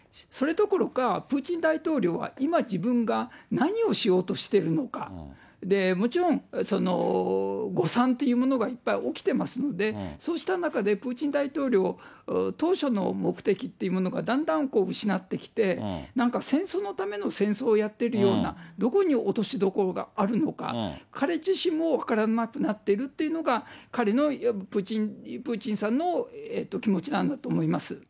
それどころか、プーチン大統領は、今、自分が何をしようとしているのか、もちろん、誤算というものがいっぱい起きてますので、そうした中で、プーチン大統領、当初の目的っていうものが、だんだん失ってきて、なんか戦争のための戦争をやってるような、どこに落としどころがあるのか、彼自身も分からなくなっているというのが、彼の、プーチンさんの気持ちなんだと思います。